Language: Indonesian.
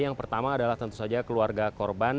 yang pertama adalah tentu saja keluarga korban